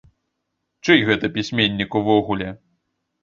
Чый гэта пісьменнік увогуле?